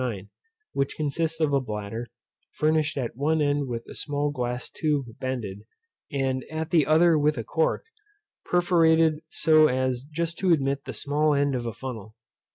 9, which consists of a bladder, furnished at one end with a small glass tube bended, and at the other with a cork, perforated so as just to admit the small end of a funnel.